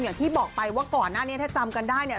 อย่างที่บอกไปว่าก่อนหน้านี้ถ้าจำกันได้เนี่ย